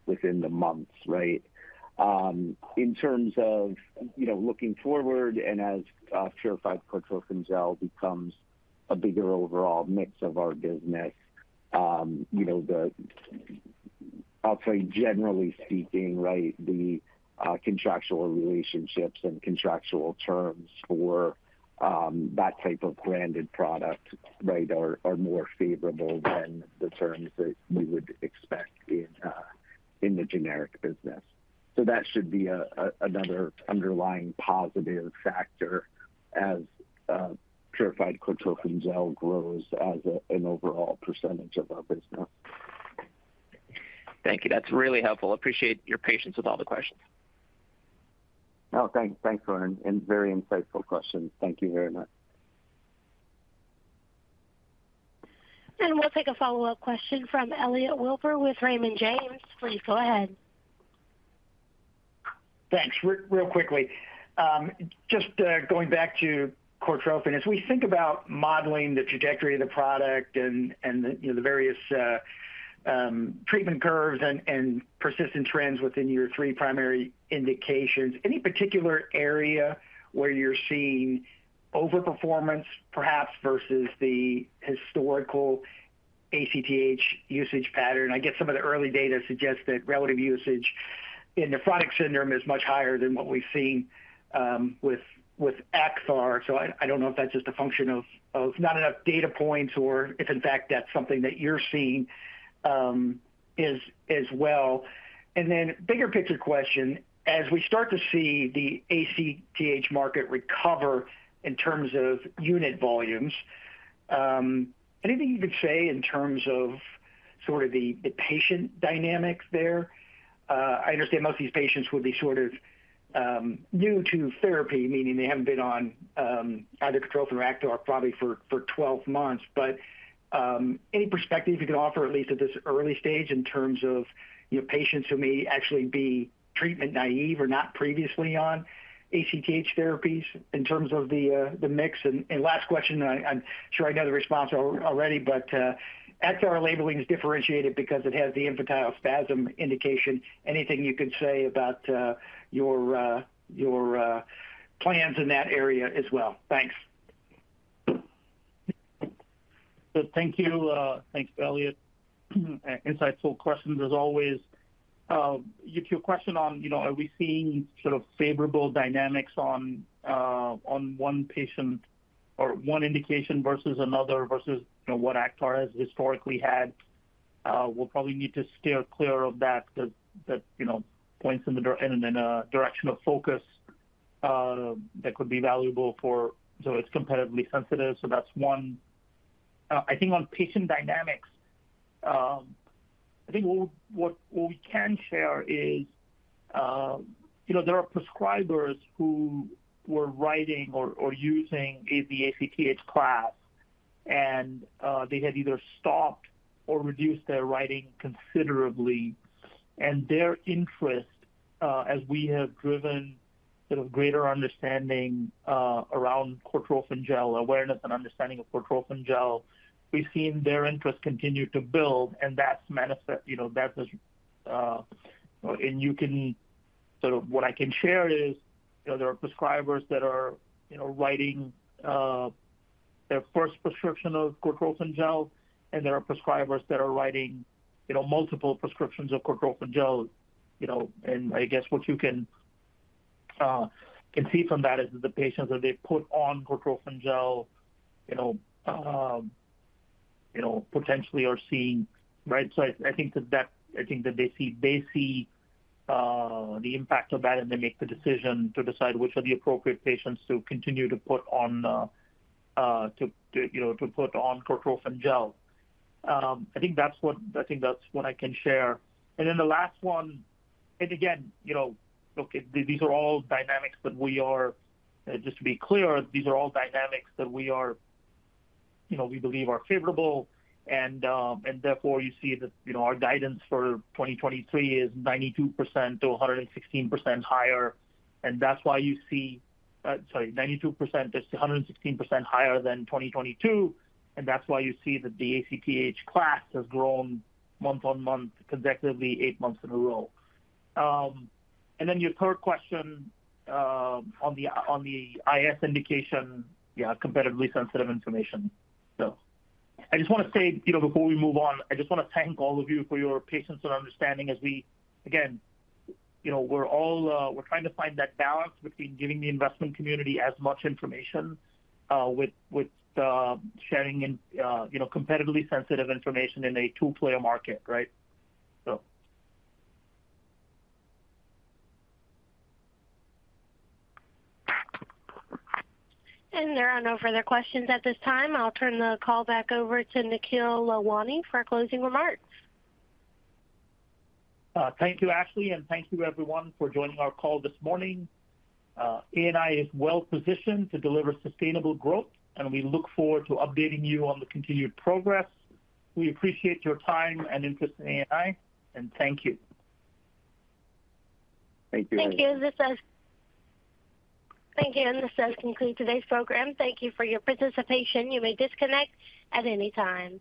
within the months, right? In terms of, you know, looking forward and as Purified Cortrophin Gel becomes a bigger overall mix of our business, you know, I'll say generally speaking, right, the contractual relationships and contractual terms for that type of branded product, right, are more favorable than the terms that we would expect in the generic business. So that should be another underlying positive factor as Purified Cortrophin Gel grows as an overall percentage of our business. Thank you. That's really helpful. Appreciate your patience with all the questions. Thanks, Oren, and very insightful questions. Thank you very much. We'll take a follow-up question from Elliot Wilbur with Raymond James. Please go ahead. Thanks. Real quickly. Just going back to Cortrophin. As we think about modeling the trajectory of the product and the, you know, the various treatment curves and persistent trends within your three primary indications, any particular area where you're seeing overperformance perhaps versus the historical ACTH usage pattern? I get some of the early data suggests that relative usage in nephrotic syndrome is much higher than what we've seen with Acthar. I don't know if that's just a function of not enough data points or if in fact that's something that you're seeing as well. Bigger picture question, as we start to see the ACTH market recover in terms of unit volumes, anything you could say in terms of sort of the patient dynamics there? I understand most of these patients will be sort of new to therapy, meaning they haven't been on either Cortrophin Gel or Acthar probably for 12 months. Any perspective you can offer, at least at this early stage, in terms of, you know, patients who may actually be treatment naive or not previously on ACTH therapies in terms of the mix. Last question, I'm sure I know the response already, but Acthar labeling is differentiated because it has the infantile spasms indication. Anything you could say about your plans in that area as well? Thanks. Thank you. Thanks, Elliot. Insightful questions as always. Your question on, you know, are we seeing sort of favorable dynamics on one patient or one indication versus another, versus, you know, what Acthar has historically had, we'll probably need to steer clear of that 'cause that, you know, points in a direction of focus that could be valuable for... It's competitively sensitive, so that's one. On patient dynamics, I think what we can share is, you know, there are prescribers who were writing or using the ACTH class and they had either stopped or reduced their writing considerably. Their interest, as we have driven sort of greater understanding, around Cortrophin Gel, awareness and understanding of Cortrophin Gel, we've seen their interest continue to build and that's manifest, you know, that is. What I can share is, you know, there are prescribers that are, you know, writing, their first prescription of Cortrophin Gel, and there are prescribers that are writing, you know, multiple prescriptions of Cortrophin Gel, you know. I guess what you can see from that is that the patients that they put on Cortrophin Gel, you know, you know, potentially are seeing, right? I think that they see the impact of that, and they make the decision to decide which are the appropriate patients to continue to put on Cortrophin Gel. I think that's what I can share. The last one, look, these are all dynamics that we are, just to be clear, these are all dynamics that we are, we believe are favorable. Therefore you see that our guidance for 2023 is 92%-116% higher. That's why sorry, 92%-116% higher than 2022. That's why you see that the ACTH class has grown month-on-month consecutively eight months in a row. Your third question on the IS indication, yeah, competitively sensitive information. I just wanna say, you know, before we move on, I just wanna thank all of you for your patience and understanding as we, again, you know, we're all, we're trying to find that balance between giving the investment community as much information with, sharing in, you know, competitively sensitive information in a two-player market, right? There are no further questions at this time. I'll turn the call back over to Nikhil Lalwani for closing remarks. Thank you, Ashley, and thank you everyone for joining our call this morning. ANI is well-positioned to deliver sustainable growth. We look forward to updating you on the continued progress. We appreciate your time and interest in ANI. Thank you. Thank you. Thank you. Thank you. This does conclude today's program. Thank you for your participation. You may disconnect at any time.